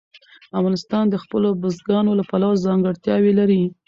افغانستان د خپلو بزګانو له پلوه ځانګړتیاوې لري.